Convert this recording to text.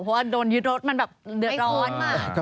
เพราะว่าโดนยึดรถมันแบบเดือดร้อน